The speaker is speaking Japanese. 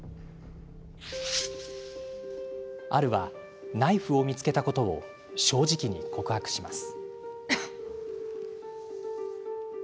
アルはナイフを見つけたことを正直に告白します。